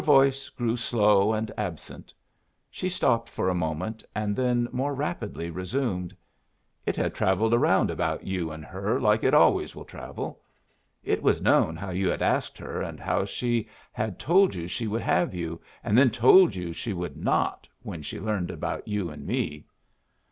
Her voice grew slow and absent. She stopped for a moment, and then more rapidly resumed: "It had travelled around about you and her like it always will travel. It was known how you had asked her, and how she had told you she would have you, and then told you she would not when she learned about you and me.